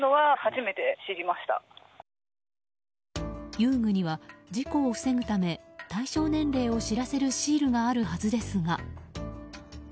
遊具には事故を防ぐため対象年齢を知らせるシールがあるはずですが。